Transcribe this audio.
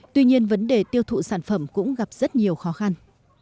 tuy nhiên vấn đề tiêu thụ sản phẩm cũng gặp rất nhiều khó khăn